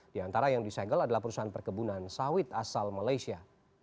di antara yang disegel adalah perusahaan perkebunan sawit asal malaysia